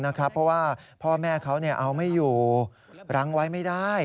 เพราะว่าพ่อแม่เขาเอาไม่อยู่รังไว้ไม่ได้